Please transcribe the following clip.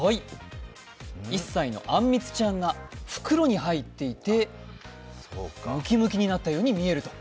１歳のあんみつちゃんが袋にはいっていてムキムキになったように見えると。